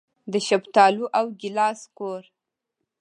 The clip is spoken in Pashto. د شفتالو او ګیلاس کور.